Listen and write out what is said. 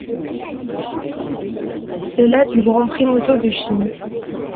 C'est la du Grand Prix moto de Chine.